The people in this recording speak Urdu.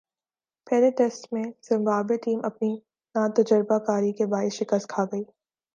پہلے ٹیسٹ میں زمبابوے ٹیم اپنی ناتجربہ کاری کے باعث شکست کھاگئی